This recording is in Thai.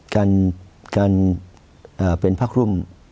การเป็นผ้ารุ่ม